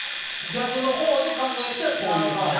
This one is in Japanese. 逆の方で考えたらこういう感じ。